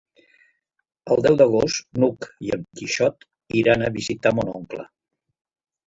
El deu d'agost n'Hug i en Quixot iran a visitar mon oncle.